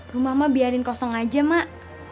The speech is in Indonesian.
rumah mak biarin kosong aja mak